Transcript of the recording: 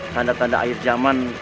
tanda tanda akhir jaman